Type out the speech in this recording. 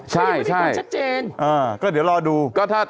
ใช่ก็เดี๋ยวรอดูไม่มีความชัดเจน